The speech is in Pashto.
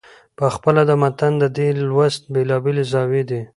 پخپله د متن د دې لوست بېلابېلې زاويې دي.